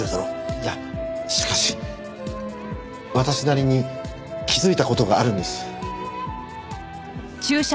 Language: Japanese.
いやしかし私なりに気づいた事があるんです。